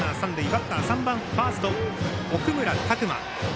バッター、３番、ファースト奥村拓真。